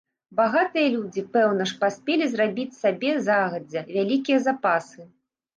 Багатыя людзі, пэўна ж, паспелі зрабіць сабе, загадзя, вялікія запасы.